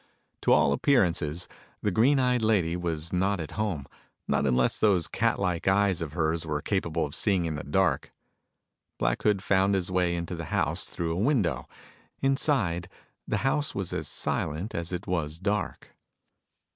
To all appearances, the green eyed lady was not at home not unless those catlike eyes of hers were capable of seeing in the dark. Black Hood found his way into the house through a window. Inside, the house was as silent as it was dark.